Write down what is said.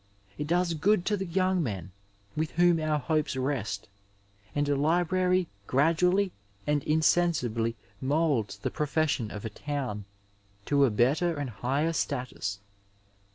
It does good to the young men, with whom our hopes rest, and a library gradually and insensibly moulds the profession of a town to a better and higher status.